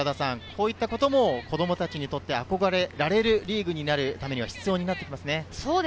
こういったことも子供たちによって憧れられるリーグになるために必要ですね。